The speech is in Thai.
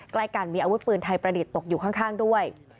ใกล้กันมีอาวุธปืนไทยประดิษฐ์ตกอยู่ข้างด้วย